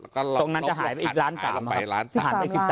ตรงนั้นจะหายไปอีก๑๓ล้านนะครับ